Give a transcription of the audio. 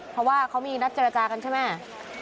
เพราะว่าเขามีนัดเจรจากันใช่ไหม